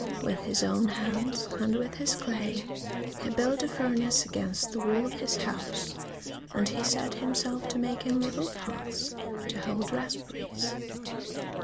With his own hands, and with his clay, he built a furnace against the wall of his house, and he set himself to making little pots to hold raspberries.